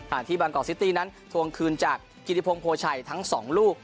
ที่บางกอกซิตี้นั้นทวงคืนจากกิติพงศ์ชัยทั้งสองลูก